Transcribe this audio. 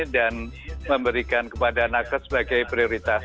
dan memberikan kepada anak anak sebagai prioritas